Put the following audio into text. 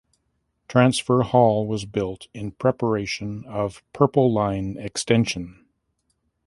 Transfer hall was built in preparation of Purple Line extension.